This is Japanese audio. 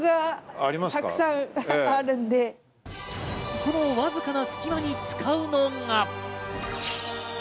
このわずかな隙間に使うのが。